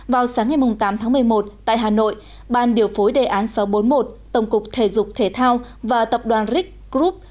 vào sáng ngày tám tháng một mươi một tại hà nội ban điều phối đề án sáu trăm bốn mươi một tổng cục thể dục thể thao và tập đoàn ric group